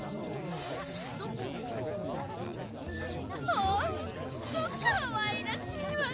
ほんとかわいらしいわね。